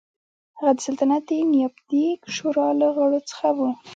هغه د سلطنت د نیابتي شورا له غړو څخه و.